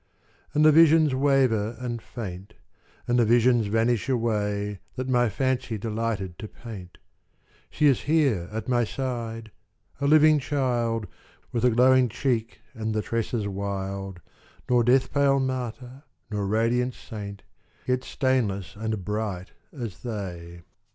And the visions waver and faint, And the visions vanish away That my fancy delighted to paint She is here at my side, a living child, With the glowing cheek and the tresses wild, Nor death pale martyr, nor radiant saint, Yet stainless and bright as they.